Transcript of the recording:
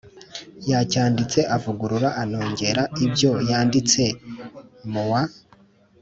Yacyanditse avugurura anongera ibyo yanditse mu wa .